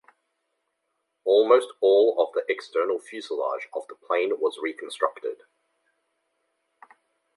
Almost all of the external fuselage of the plane was reconstructed.